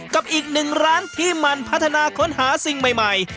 กับอีกหนึ่งร้านที่มันพัฒนาค้นหาสิ่งใหม่